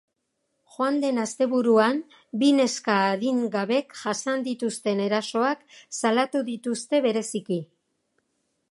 Joan den asteburuan bi neska adingabek jasan dituzten erasoak salatu dituzte bereziki.